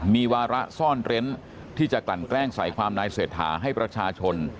มีวาระซ่อนเร้นที่จะกลั่นแกล้งใส่ความนายเศรษฐาให้ประชาชน